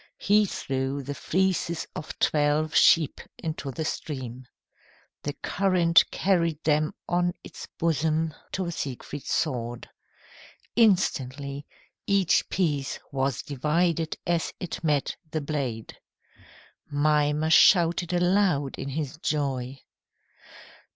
He threw the fleeces of twelve sheep into the stream. The current carried them on its bosom to Siegfried's sword. Instantly, each piece was divided as it met the blade. Mimer shouted aloud in his joy.